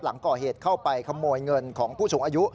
หลังก่อเหตุเข้าไปขโมยเงินของผู้สูงอายุ